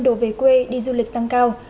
đồ về quê đi du lịch tăng cao